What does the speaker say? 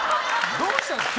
どうしたんすか？